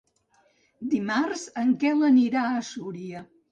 Dimarts en Quel anirà a Súria.